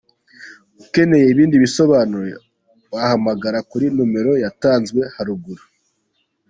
Ukeneye ibindi bisobanuro wahamagara kuri numero yatanzwe haruguru.